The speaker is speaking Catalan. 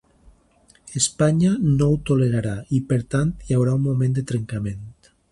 Espanya no ho tolerarà i per tant hi haurà un moment de trencament.